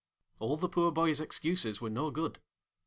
All the poor boy's excuses were no good.